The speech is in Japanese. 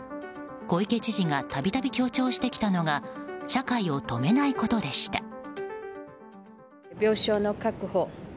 小池知事が度々、強調してきたのが社会を止めないことでした。